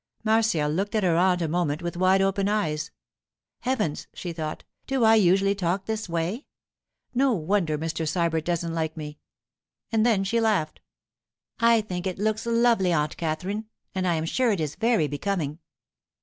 Marcia looked at her aunt a moment with wide open eyes. 'Heavens!' she thought, 'do I usually talk this way? No wonder Mr. Sybert doesn't like me!' And then she laughed. 'I think it looks lovely, Aunt Katherine, and I am sure it is very becoming.